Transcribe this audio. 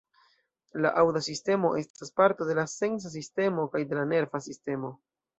La aŭda sistemo estas parto de la sensa sistemo kaj de la nerva sistemo.